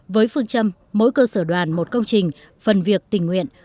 với phương châm mỗi cơ sở đoàn một công trình phần việc tình nguyện